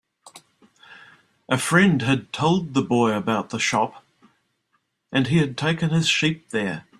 A friend had told the boy about the shop, and he had taken his sheep there.